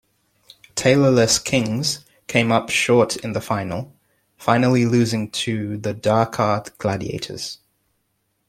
Taylor-less Kings came up short in the final, finally losing to the Dhaka Gladiators.